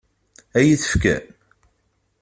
Ad iyi-t-fken?